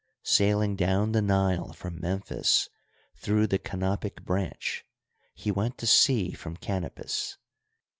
Sailing down the Nile from Memphis through the Canopic branch, he went to sea from Canopus.